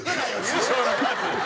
師匠の数。